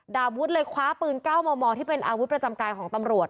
ดาวุฒิเลยคว้าปืน๙มมที่เป็นอาวุธประจำกายของตำรวจ